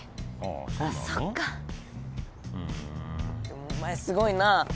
でもお前すごいな。